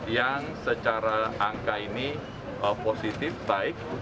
yang secara angka ini positif baik